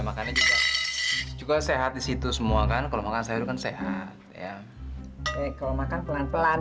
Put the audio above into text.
makannya juga sehat disitu semua kan kalau makan sayur kan sehat ya kalau makan pelan pelan